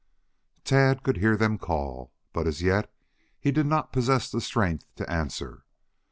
Tad could hear them call, but as yet he did not possess the strength to answer.